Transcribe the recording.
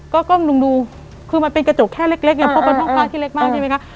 ก็ก้มดูคือมันเป็นกระจกแค่เล็กเล็กเนี้ยเพราะมันห้องบ้านที่เล็กมากใช่ไหมคะ